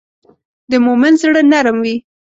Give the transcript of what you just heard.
د مؤمن زړه نرم وي.